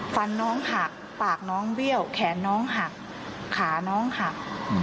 ฟันน้องหักปากน้องเบี้ยวแขนน้องหักขาน้องหัก